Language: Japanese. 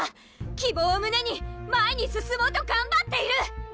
希望を胸に前に進もうとがんばっている！